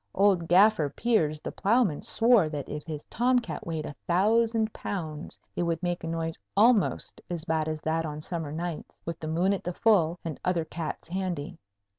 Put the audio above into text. Old Gaffer Piers the ploughman swore that if his tomcat weighed a thousand pounds it would make a noise almost as bad as that on summer nights, with the moon at the full and other cats handy.